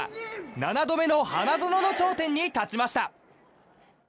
７度目の花園の頂点に立ちました。